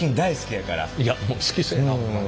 いやもう好きそうやなホンマに。